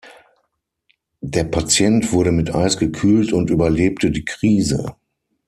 Der Patient wurde mit Eis gekühlt und überlebte die Krise.